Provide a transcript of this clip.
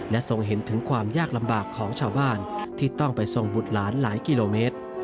ทรงเห็นถึงความยากลำบากของชาวบ้านที่ต้องไปส่งบุตรหลานหลายกิโลเมตร